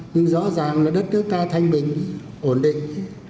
nhưng rõ ràng là đất nước ta thanh bình ổn định